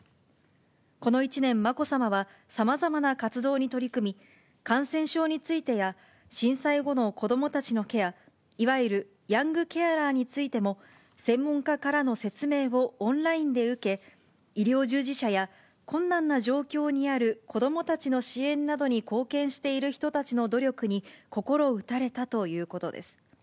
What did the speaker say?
この１年、まこさまはさまざまな活動に取り組み、感染症についてや、震災後の子どもたちのケア、いわゆるヤングケアラーについても専門家からの説明をオンラインで受け、医療従事者や困難な状況にある子どもたちの支援などに貢献している人たちの努力に心打たれたということです。